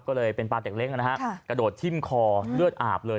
ก็เลยเป็นปลาเต็กเล้งนะฮะกระโดดทิ้มคอเลือดอาบเลย